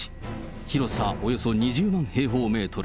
広さおよそ２０万平方メートル。